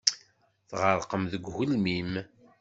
Tɣerqem deg ugelmim.